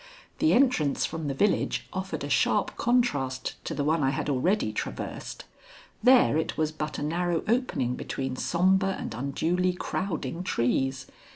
The entrance from the village offered a sharp contrast to the one I had already traversed. There it was but a narrow opening between sombre and unduly crowding trees.